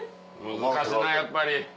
難しいなやっぱり。